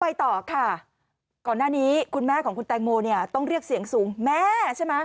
ไปต่อค่ะก่อนหน้านี้คุณแม่ของคุณแตงโมเนี่ยต้องเรียกเสียงสูงแม่ใช่ไหม